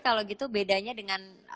kalau gitu bedanya dengan